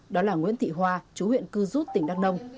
đó là nguyễn thị hoa chú huyện cư rút tỉnh đắk nông